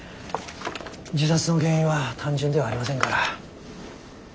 自殺の原因は単純ではありませんから。